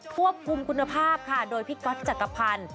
ควบคุมคุณภาพค่ะโดยพี่ก๊อตจักรพันธ์